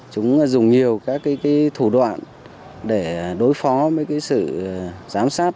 chúng dùng nhiều các thủ đoạn để đối phó với sự giám sát